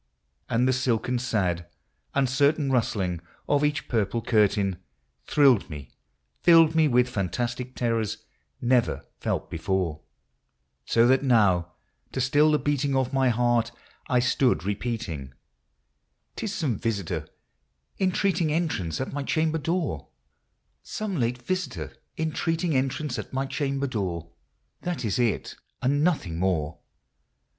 And the silken, sad, uncertain rustling of each pur ple curtain Thrilled me, — filled me with fantastic terrors never felt before ; So that now, to still the beating of my heart, I stood repeating, " 'T is some visitor entreating entrance at my cham ber door, — Some late visitor entreating entrance at my cham ber door ; That it is, and nothing more."